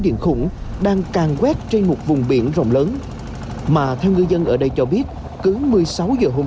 điện khủng đang càng quét trên một vùng biển rộng lớn mà theo ngư dân ở đây cho biết cứ một mươi sáu giờ hôm